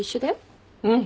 うん。